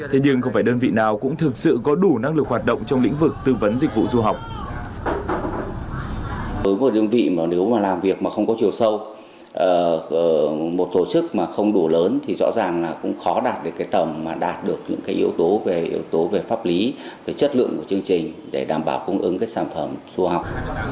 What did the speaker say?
thế nhưng không phải đơn vị nào cũng thực sự có đủ năng lực hoạt động trong lĩnh vực tư vấn dịch vụ du học